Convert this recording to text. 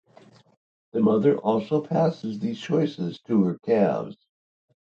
The mother also passes these choices to her calves.